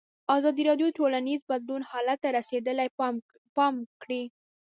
ازادي راډیو د ټولنیز بدلون حالت ته رسېدلي پام کړی.